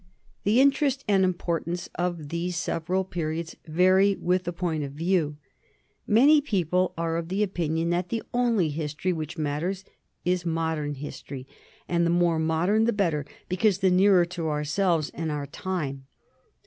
The interest and importance of these several periods vary with the point of view. Many people are of the opinion that the only history which matters is modern history, and the more modern the better because the nearer to ourselves and our time.